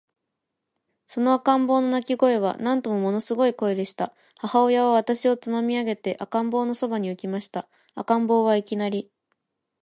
その赤ん坊の泣声は、なんとももの凄い声でした。母親は私をつまみ上げて、赤ん坊の傍に置きました。赤ん坊は、いきなり、